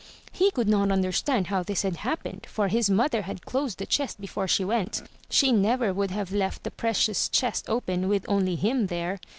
He could not understand how this had happened, for his mother had closed the chest before she went. She never would have left the precious chest open with only him there.